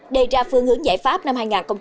đề ra phương hướng giải pháp năm hai nghìn hai mươi